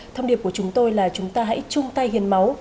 thông điệp của chúng tôi là chúng ta hãy chung tay hiến máu